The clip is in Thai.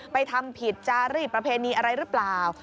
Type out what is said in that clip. ทำผิดจารีสประเพณีอะไรหรือเปล่า